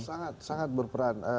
sangat sangat berperan